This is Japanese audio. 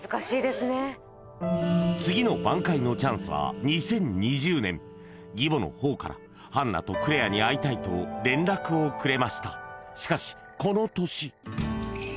次の挽回のチャンスは２０２０年義母の方からハンナとクレアに会いたいと連絡をくれました